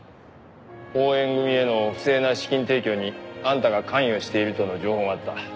鳳炎組への不正な資金提供にあんたが関与しているとの情報があった。